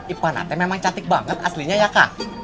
ipanate memang cantik banget aslinya ya kak